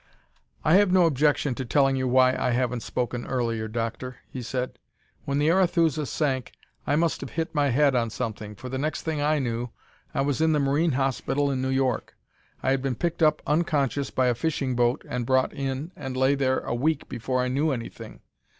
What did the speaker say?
"I have no objection to telling you why I haven't spoken earlier, Doctor," he said. "When the Arethusa sank, I must have hit my head on something, for the next thing I knew, I was in the Marine Hospital in New York. I had been picked up unconscious by a fishing boat and brought in, and I lay there a week before I knew anything.